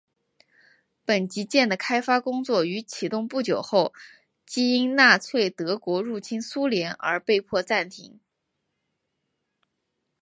本级舰的开发工作于启动不久后即因纳粹德国入侵苏联而被迫暂停。